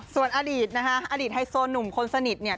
ส่วนอดีตนะคะอดีตไฮโซหนุ่มคนสนิทเนี่ย